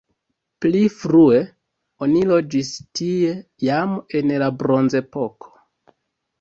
Pli frue oni loĝis tie jam en la bronzepoko.